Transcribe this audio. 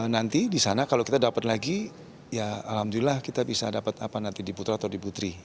nanti di sana kalau kita dapat lagi ya alhamdulillah kita bisa dapat apa nanti di putra atau di putri